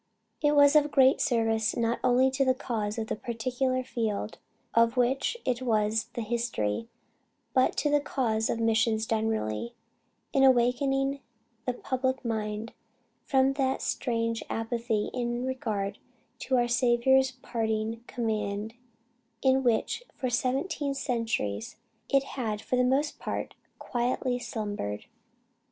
It was of great service not only to the cause of the particular field of which it was the history, but to the cause of missions generally, in awaking the public mind from that strange apathy in regard to our Saviour's parting command in which for seventeen centuries it had for the most part quietly slumbered.